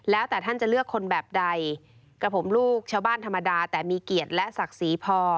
แล้วแต่ท่านจะเลือกคนแบบใดกับผมลูกชาวบ้านธรรมดาแต่มีเกียรติและศักดิ์ศรีพอ